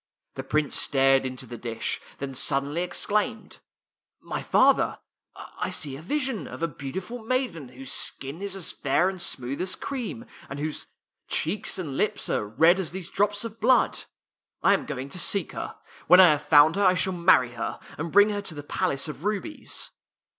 The Prince stared into the dish, then suddenly ex claimed, " My father, I see here a vision of a beautiful maiden whose skin is as fair and smooth as cream, and whose cheeks and lips are red as these drops of blood. I am going to seek her. When I have found her I shall marry her, and bring her to the Palace of Rubies."